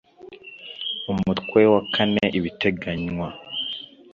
umutwe wa kane ibiteganywa